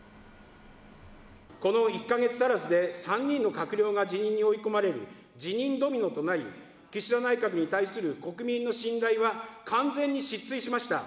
この１か月足らずで３人の閣僚が辞任に追い込まれる辞任ドミノとなり、岸田内閣に対する国民の信頼は完全に失墜しました。